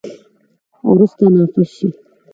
وروسته، نافذ شي.